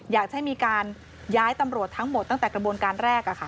อยากให้มีการย้ายตำรวจทั้งหมดตั้งแต่กระบวนการแรก